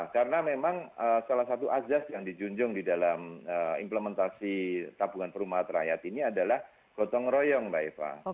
karena memang salah satu azaz yang dijunjung di dalam implementasi tabungan perumahan rakyat ini adalah gotong royong mbak eva